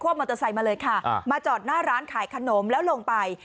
มอเตอร์ไซค์มาเลยค่ะมาจอดหน้าร้านขายขนมแล้วลงไป